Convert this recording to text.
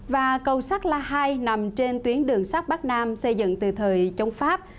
và cầu sát la hai nằm trên tuyến đường sắt bắc nam xây dựng từ thời chống pháp